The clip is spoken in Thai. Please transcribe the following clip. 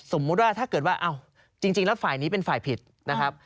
สมมุติว่าถ้าเกิดว่าจริงแล้วฝ่ายนี้เป็นฝ่ายผิดนะครับ